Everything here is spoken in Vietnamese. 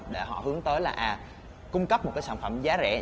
để họ hướng tới là cung cấp một cái sản phẩm giá rẻ